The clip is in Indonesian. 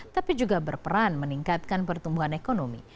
tapi juga berperan meningkatkan pertumbuhan ekonomi